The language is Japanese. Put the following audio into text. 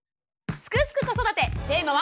「すくすく子育て」テーマは。